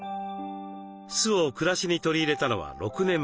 酢を暮らしに取り入れたのは６年前。